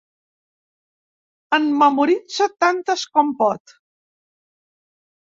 En memoritza tantes com pot.